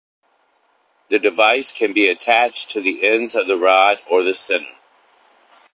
The device can be attached to the ends of the rod or the center.